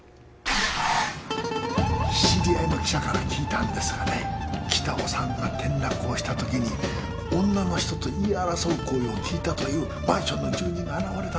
知り合いの記者から聞いたんですがね北尾さんが転落をしたときに女の人と言い争う声を聞いたというマンションの住人が現れたんです。